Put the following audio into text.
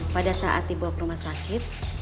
pada saat dibawa ke rumah sakit